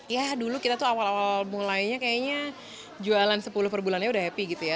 ya dulu kita tuh awal awal mulainya kayaknya jualan sepuluh per bulannya udah happy gitu ya